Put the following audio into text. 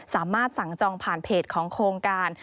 สามารถสั่งจองผ่านเพจของโครงการ